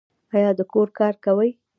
ایا د کور کار کوي؟